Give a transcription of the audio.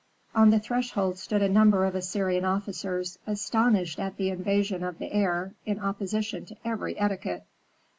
On the threshold stood a number of Assyrian officers, astonished at the invasion of the heir in opposition to every etiquette.